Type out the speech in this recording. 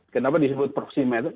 kenapa disebut proxy metode